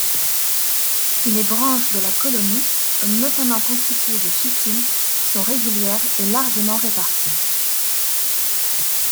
Les branches de la colonies, notamment constituées de chitine sont régulières et largement réparties.